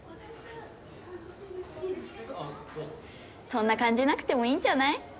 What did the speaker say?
そんな感じなくてもいいんじゃない？